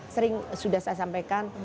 sering sudah saya sampaikan